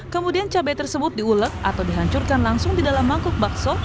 kemudian cabai tersebut diulek atau dihancurkan langsung di dalam mangkuk bakso